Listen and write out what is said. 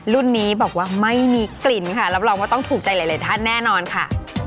รุ่นนี้บอกว่าไม่มีกลิ่นค่ะรับรองว่าต้องถูกใจหลายท่านแน่นอนค่ะ